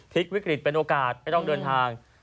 วิกฤตเป็นโอกาสไม่ต้องเดินทาง